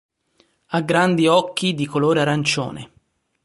Ha grandi occhi di colore arancione.